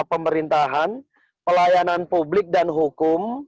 pemerintahan pelayanan publik dan hukum